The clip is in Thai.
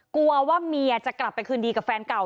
กลัวว่าเมียจะกลับไปคืนดีกับแฟนเก่า